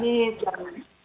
ini diah norman